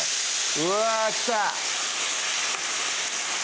うわきた！